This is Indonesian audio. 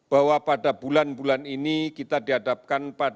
bahwa pada bulan bulan ini kita dihadapkan dengan kemampuan